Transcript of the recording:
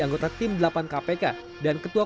anggota tim delapan kpk dan ketua